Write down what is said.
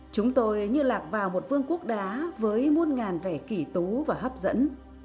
chúng tôi như lạc vào một vương quốc đá với muôn ngàn vẻ kỷ tú và hấp dẫn